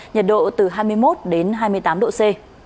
nhiệt độ từ hai mươi một đến hai mươi tám độ c